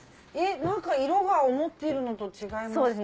何か色が思ってるのと違いますけれど。